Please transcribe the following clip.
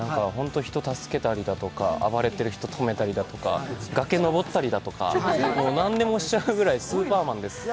人を助けたりだとか暴れてる人止めたりだとか、崖登ったりだとか、何でもしちゃうぐらいスーパーマンです。